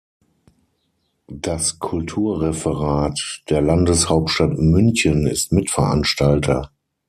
Das Kulturreferat der Landeshauptstadt München ist Mitveranstalter.